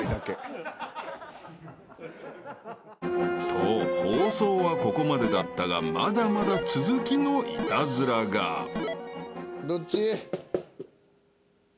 ［と放送はここまでだったがまだまだ続きのイタズラが］どっち？